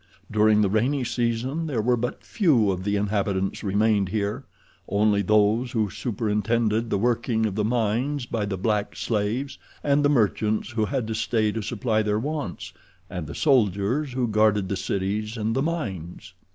During the rainy season there were but few of the inhabitants remained here, only those who superintended the working of the mines by the black slaves, and the merchants who had to stay to supply their wants, and the soldiers who guarded the cities and the mines.